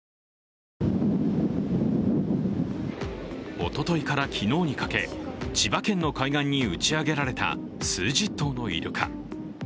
おとといから昨日にかけ千葉県の海岸に打ち上げられた数十頭のイルカ。